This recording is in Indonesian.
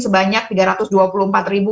sebanyak tiga ratus dua puluh empat ribu